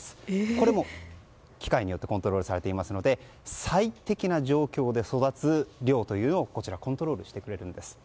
これも機械によってコントロールされていますので最適な状況で育つ量というのをコントロールしてくれるんです。